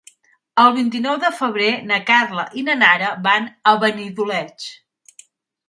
El vint-i-nou de febrer na Carla i na Nara van a Benidoleig.